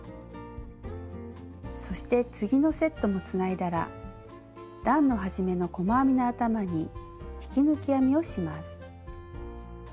そして次のセットもつないだら段の始めの細編みの頭に引き抜き編みをします。